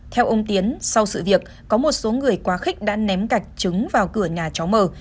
theo ông tiến sau sự việc có một số người quá khích đã ném gạch trứng vào cửa nhà cháu mờ